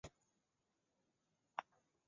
位于句容市下蜀镇亭子村。